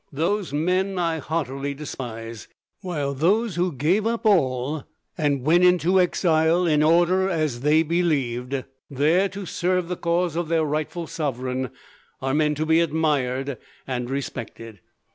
Those men I heartily despise; while those who gave up all, and went into exile in order, as they believed, there to serve the cause of their rightful sovereign, are men to be admired and respected.